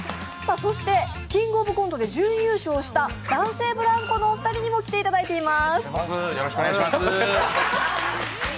そしてキングオブコントで準優勝した、男性ブランコのお二人にも来ていただいています。